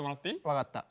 わかった。